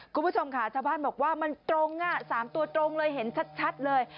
คุณผู้ชมค่ะชาวบ้านบอกว่ามันตรง๓ตัวตรงเลยเห็นชัดเลย